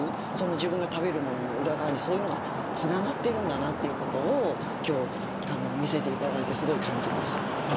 自分が食べるものの裏側にそういうのがつながってるんだなということを今日見せて頂いてすごい感じました。